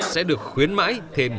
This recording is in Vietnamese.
sẽ được khuyến mãi thêm